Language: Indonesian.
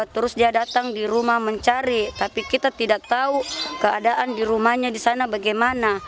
terus dia datang di rumah mencari tapi kita tidak tahu keadaan di rumahnya di sana bagaimana